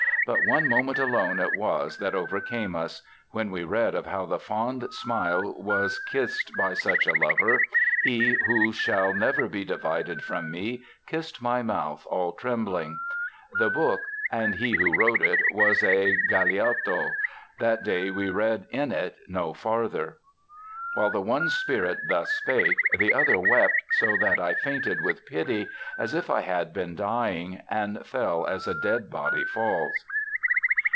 But one moment alone it was that overcame us. When we read of how the fond smile was kissed by such a lover, he, who shall never be divided from me, kissed my mouth all trembling. The book, and he who wrote it, was a Galeotto. That day we read in it no farther.' "While the one spirit thus spake, the other wept so that I fainted with pity, as if I had been dying; and fell, as a dead body falls."